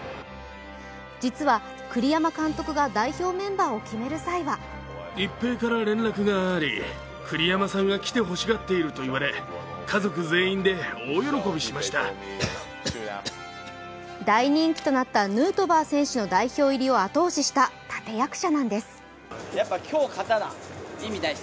実は栗山監督が代表メンバーを決める際は大人気となったヌートバー選手の代表入りを後押しした立役者なんです。